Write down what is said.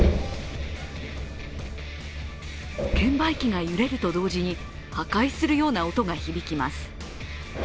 券売機が揺れると同時に破壊するような音が響きます。